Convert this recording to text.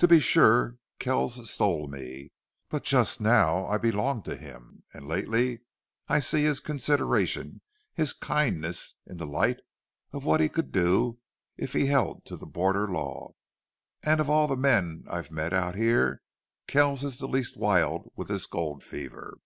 To be sure Kells stole me. But just now I belong to him. And lately I see his consideration his kindness in the light of what he could do if he held to that border law.... And of all the men I've met out here Kells is the least wild with this gold fever.